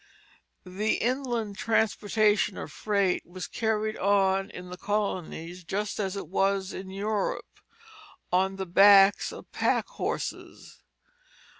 The inland transportation of freight was carried on in the colonies just as it was in Europe, on the backs of pack horses.